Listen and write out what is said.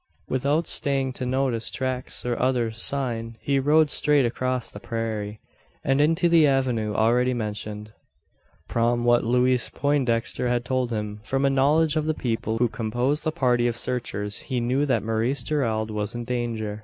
Without staying to notice tracks or other "sign," he rode straight across the prairie, and into the avenue already mentioned. Prom what Louise Poindexter had told him from a knowledge of the people who composed the party of searchers he knew that Maurice Gerald was in danger.